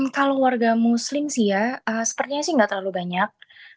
kalau warga muslim sih ya sepertinya sih nggak terlalu banyak